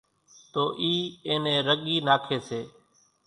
تو اِي اين نين رڳي ناکي سي